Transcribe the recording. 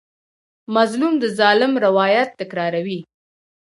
مظلوم د ظالم روایت تکراروي.